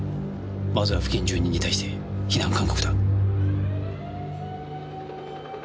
まずは付近住人に対して避難勧告だ。